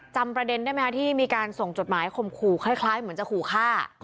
จำประเด็นได้ไหมคะที่มีการส่งจดหมายข่มขู่คล้ายเหมือนจะขู่ฆ่า